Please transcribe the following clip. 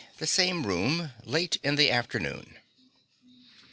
The same room. Late in the afternoon.